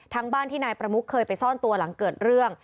บ้านที่นายประมุกเคยไปซ่อนตัวหลังเกิดเรื่อง